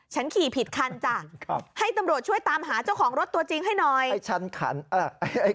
ฉันขี่ผิดคันจ้ะให้ตำรวจช่วยตามหาเจ้าของโรศตัวจริงให้หน่อย